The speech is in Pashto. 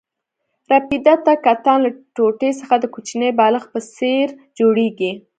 رپیده د کتان له ټوټې څخه د کوچني بالښت په څېر جوړېږي.